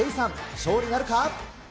勝利なるか。